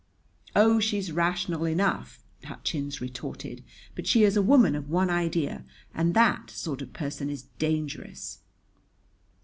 "Oh, she's rational enough," Hutchins retorted: "but she is a woman of one idea and that sort of person is dangerous."